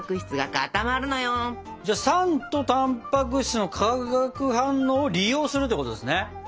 酸とたんぱく質の化学反応を利用するってことですね。